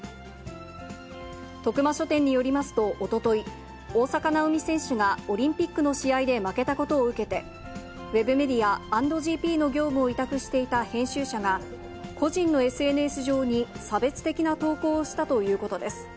徳間書店によりますと、おととい、大坂なおみ選手がオリンピックの試合で負けたことを受けて、ウェブメディア、＆ＧＰの業務を委託していた編集者が、個人のＳＮＳ上に差別的な投稿をしたということです。